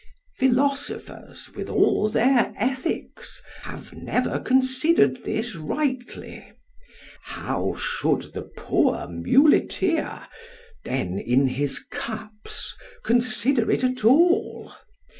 ——Philosophers, with all their ethicks, have never considered this rightly—how should the poor muleteer, then in his cups, consider it at all?